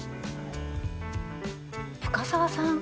深澤さん